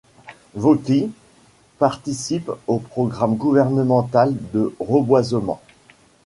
Võ Quý participe au programme gouvernemental de reboisement.